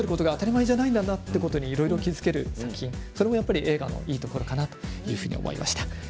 当たり前だと思っていることも当たり前じゃないんだなといろいろ気付ける作品それも映画のいいところかなと思いました。